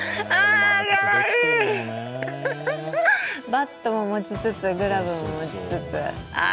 バットも持ちつつ、グラブも持ちつつ。